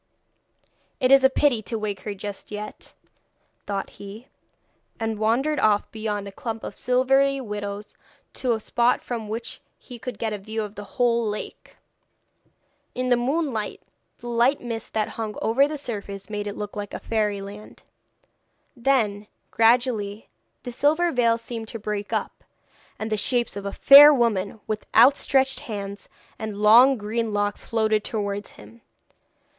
'It is a pity to wake her just yet,' thought he, and wandered off beyond a clump of silvery willows to a spot from which he could get a view of the whole lake. In the moonlight, the light mist that hung over the surface made it look like fairyland. Then gradually the silver veil seemed to break up, and the shapes of fair women with outstretched hands and long green locks floated towards him.